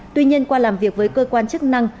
tuy nhiên qua làm việc với cơ quan chức năng